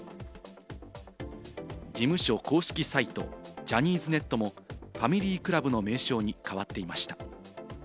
事務所公式サイト・ジャニーズネットもファミリークラブの名称に変わっていました。